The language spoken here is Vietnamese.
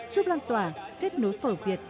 giúp lan tỏa kết nối phở việt